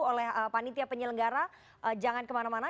oleh panitia penyelenggara jangan kemana mana